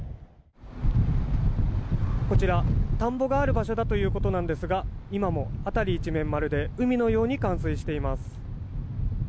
こちら田んぼがある場所だということですが今も辺り一面まるで海のように冠水しています。